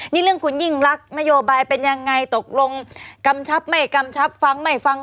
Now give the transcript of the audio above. นี่เรื่องคุณยิ่งรักนโยบายเป็นยังไงตกลงกำชับไม่กำชับฟังไม่ฟัง